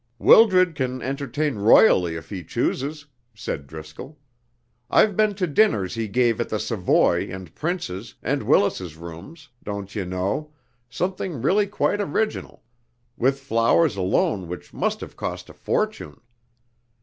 "Wildred can entertain royally if he chooses," said Driscoll. "I've been to dinners he gave at the Savoy and Prince's, and Willis's Rooms, don't you know, something really quite original, with flowers alone which must have cost a fortune.